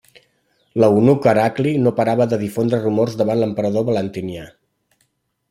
L'eunuc Heracli no parava de difondre rumors davant l'emperador Valentinià.